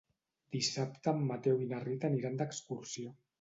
Dissabte en Mateu i na Rita aniran d'excursió.